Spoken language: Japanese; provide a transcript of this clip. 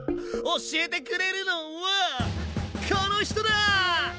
教えてくれるのはこの人だ！